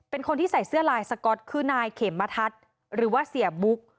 เป็นคนที่ใส่เสื้อลายสก๊อตคือนายเขมทัศน์หรือว่าเสียบุ๊ก